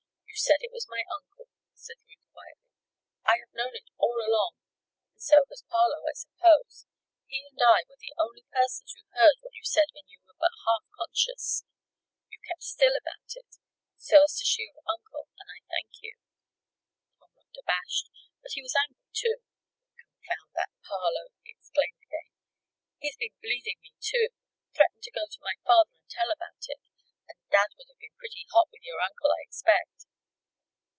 You said it was my uncle," said Ruth, quietly. "I have known it all along, and so has Parloe, I suppose. He and I were the only persons who heard what you said when you were but half conscious. You've kept still about it so as to shield Uncle, and I thank you." Tom looked abashed; but he was angry, too. "Confound that Parloe!" he exclaimed again. "He's been bleeding me, too! Threatened to go to my father and tell about it and Dad would have been pretty hot with your uncle, I expect."